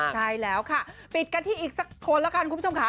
ใช่แล้วค่ะปิดกันที่อีกสักคนแล้วกันคุณผู้ชมค่ะ